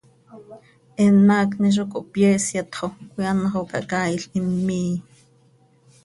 Eenm haacni zo cohpyeesyat xo coi anxö oo cahcaail him miii.